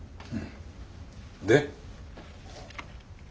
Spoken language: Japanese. で？